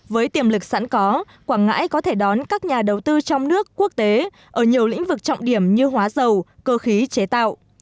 với tiềm lực sẵn có quảng ngãi có thể đón các nhà đầu tư trong nước quốc tế ở nhiều lĩnh vực trọng điểm như hóa dầu cơ khí chế tạo